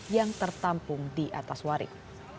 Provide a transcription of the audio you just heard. yang tertampung di atas waring